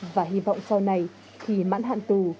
và hy vọng sau này khi mãn hạn tù